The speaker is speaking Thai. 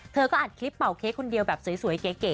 อัดคลิปเป่าเค้กคนเดียวแบบสวยเก๋